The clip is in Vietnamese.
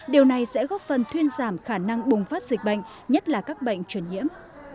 điều này sẽ góp phần thuyên giảm khả năng bùng phát dịch bệnh nhất là các bệnh truyền nhiễm